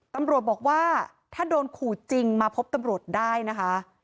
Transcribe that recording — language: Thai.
ตำรวจบอกว่าถ้าโดนขู่จริงมาพบตำรวจได้นะคะ